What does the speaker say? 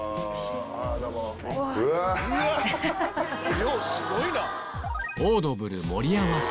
量すごいな。